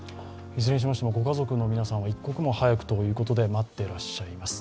いずれにしましても、ご家族の皆さんは一刻も早くということで待ってらっしゃいます。